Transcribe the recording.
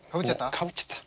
かぶっちゃった？